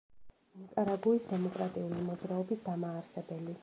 ნიკარაგუის დემოკრატიული მოძრაობის დამაარსებელი.